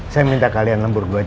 saya minta kalian lembur dua jam